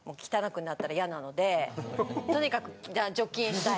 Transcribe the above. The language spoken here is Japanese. とにかく除菌したい。